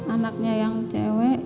anaknya yang cewek